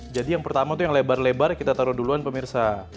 jadi yang pertama itu yang lebar lebar kita taruh duluan pemirsa